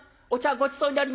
ごちそうになりました。